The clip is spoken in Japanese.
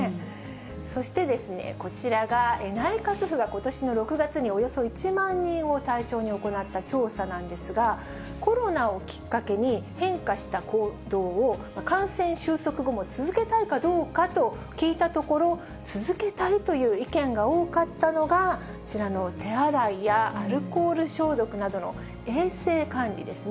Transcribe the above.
そしてですね、こちらが、内閣府がことしの６月に、およそ１万人を対象に行った調査なんですが、コロナをきっかけに変化した行動を、感染収束後も続けたいかどうかと聞いたところ、続けたいという意見が多かったのがこちらの手洗いやアルコール消毒などの衛生管理ですね。